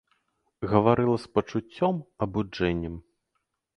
Гаварыла з пачуццём, абуджэннем.